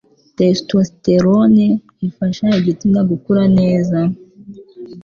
Testosterone ifasha igitsina gukura neza